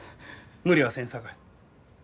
無理はせんさかい。